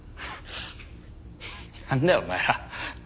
なんだよお前ら。